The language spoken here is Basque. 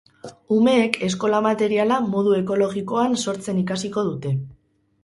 Umeek eskola materiala modu ekologikoan sortzen ikasiko dute.